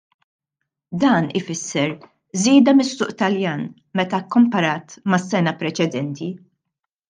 Dan ifisser żieda mis-suq Taljan meta kkumparat mas-sena preċedenti.